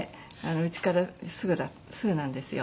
家からすぐなんですよ。